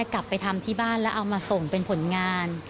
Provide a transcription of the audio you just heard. กลับไปทำที่บ้านแล้วเอามาส่งเป็นผลงาน